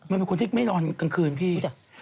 เป็นคนที่ไม่นอนกลางคืนพี่